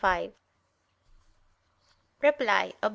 i, 5). Reply Obj.